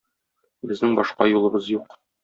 Безнең башка юлыбыз юк.